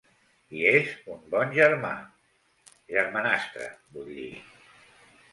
I és un bon germà: germanastre, vull dir.